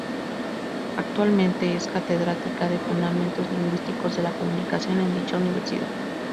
Actualmente es catedrática de Fundamentos Lingüísticos de la Comunicación en dicha universidad.